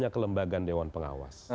ada kelembagaan dewan pengawas